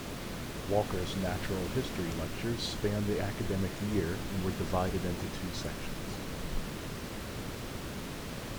Walker's natural history lectures spanned the academic year and were divided into two sections.